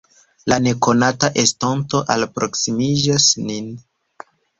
La nekonata estonto alproksimiĝas nin.